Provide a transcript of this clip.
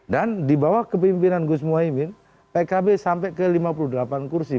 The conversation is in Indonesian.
dan di bawah kepimpinan gus imin pkb sampai ke lima puluh delapan kursi